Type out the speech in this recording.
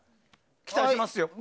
期待しますよ。